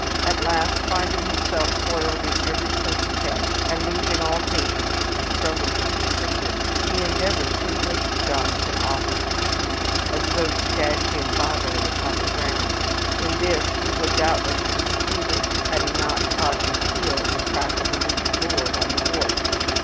At last, finding himself foiled in every such attempt, and losing all patience at the struggles of his victim, he endeavored to lift Jonathan off of his feet, as though to dash him bodily upon the ground. In this he would doubtless have succeeded had he not caught his heel in the crack of a loose board of the wharf.